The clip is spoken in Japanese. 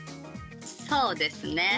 そうですね。